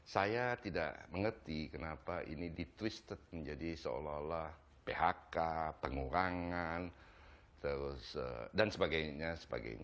saya tidak mengerti kenapa ini di twistek menjadi seolah olah phk pengurangan dan sebagainya